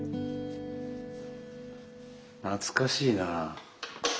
懐かしいな。